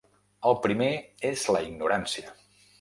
El primer és la ignorància.